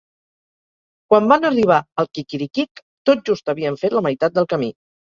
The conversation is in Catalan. Quan van arribar al quiquiriquic tot just havien fet la meitat del camí.